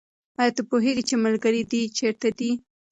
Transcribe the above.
آیا ته پوهېږې چې ملګري دې چېرته دي؟